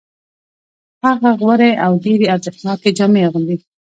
هغه غوره او ډېرې ارزښتناکې جامې اغوندي